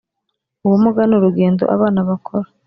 ubumuga n urugendo abana bakora